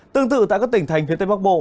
tương tự tại các tỉnh thành phía tây bắc bộ